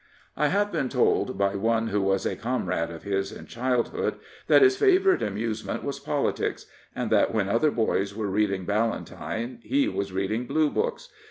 I have been told by one who was a comrade of his in childhood that his favourite amusement was politics, and that when other boys were reading Ballantyne he was reading Blue Books.